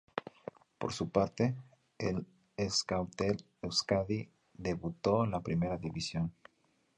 Por su parte, el Euskaltel-Euskadi debutó en la Primera División.